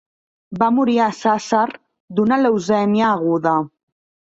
Va morir a Sàsser d'una leucèmia aguda.